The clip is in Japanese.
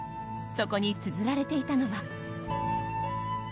そこにつづられていたのは。